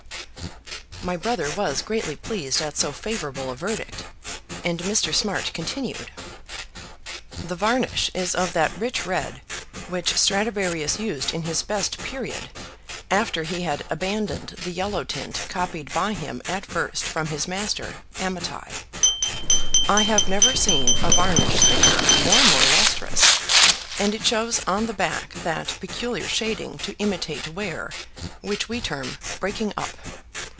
My brother was greatly pleased at so favourable a verdict, and Mr. Smart continued "The varnish is of that rich red which Stradivarius used in his best period after he had abandoned the yellow tint copied by him at first from his master Amati. I have never seen a varnish thicker or more lustrous, and it shows on the back that peculiar shading to imitate wear which we term 'breaking up.'